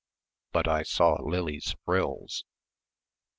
But I saw Lily's frills."